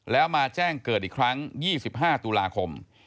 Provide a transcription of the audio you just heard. แล้วมาแจ้งเกิดอีกครั้ง๒๕ตุลาคม